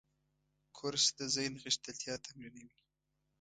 کورس د ذهن غښتلتیا تمرینوي.